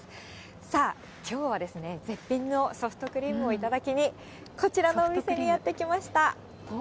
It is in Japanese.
さあ、きょうは絶品のソフトクリームを頂きに、こちらのお店にやって来ました。